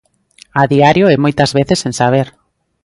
A diario e moitas veces sen saber.